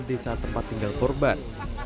desa tempat tinggal korban